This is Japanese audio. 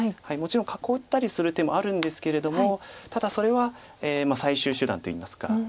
もちろん囲ったりする手もあるんですけれどもただそれは最終手段といいますか。